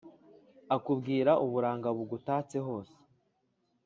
Akambwira uburanga, bugutatse hose